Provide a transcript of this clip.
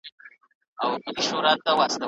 الله تعالی مؤمنان لدغسي عملونو څخه منع کړل.